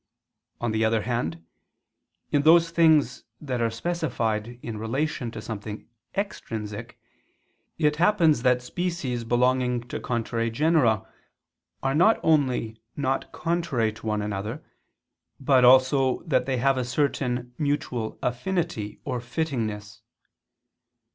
On the other hand, in those things that are specified in relation to something extrinsic, it happens that species belonging to contrary genera, are not only not contrary to one another, but also that they have a certain mutual affinity or fittingness.